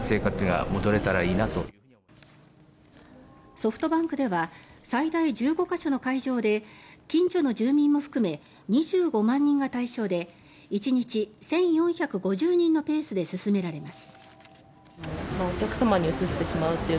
ソフトバンクでは最大１５か所の会場で近所の住民も含め２５万人が対象で１日１４５０人のペースで進められます。